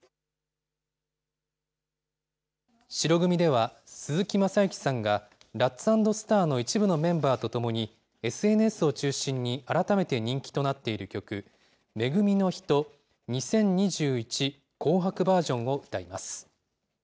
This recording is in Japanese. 白組では、鈴木雅之さんが、ラッツ＆スターの一部のメンバーと共に、ＳＮＳを中心に改めて人気となっている曲、め組の人２０２１紅白バージョンを歌います。